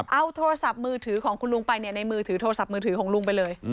เอาโทรศัพท์มือถือของคุณลุงไปในมือถือโทรศัพท์มือถือของลุงไปเลย